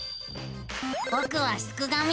ぼくはすくがミ。